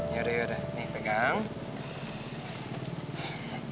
yaudah yaudah nih pegang